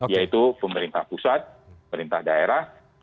yaitu pemerintah pusat pemerintah daerah keterlibatan tni dan polri